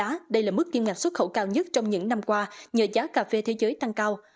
cà phê là mức kiêm ngạch xuất khẩu cao nhất trong những năm qua nhờ giá cà phê thế giới tăng cao